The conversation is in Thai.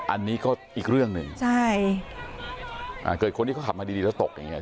อันนี้ก็อีกเรื่องหนึ่งใช่อ่าเกิดคนที่เขาขับมาดีดีแล้วตกอย่างเงี้